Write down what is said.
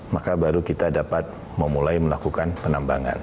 maka baru kita dapat memulai melakukan penambangan